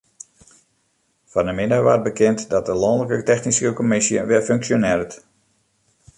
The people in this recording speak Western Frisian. Fan 'e middei waard bekend dat de lanlike technyske kommisje wer funksjonearret.